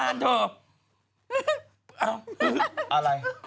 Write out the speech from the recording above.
อะไร